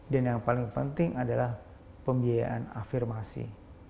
dan yang paling penting adalah pembiayaan afirmasi